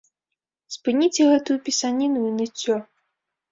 Спыніце гэтую пісаніну і ныццё!